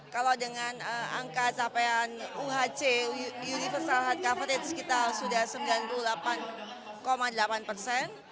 kalau dengan angka capaian uhc universal health coverage kita sudah sembilan puluh delapan delapan persen